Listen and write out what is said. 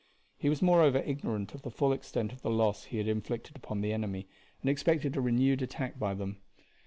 He was moreover ignorant of the full extent of the loss he had inflicted upon the enemy, and expected a renewed attack by them.